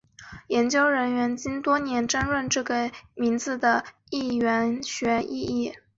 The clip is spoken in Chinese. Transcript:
研究人员经多年争论这个名字的词源学意义。